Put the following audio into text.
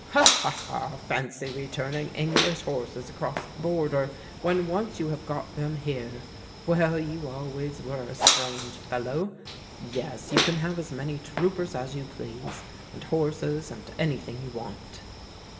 "Ha! ha! ha! Fancy returning English horses across the border, when once you have got them here. Well, you always were a strange fellow. Yes, you can have as many troopers as you please, and horses and anything you want."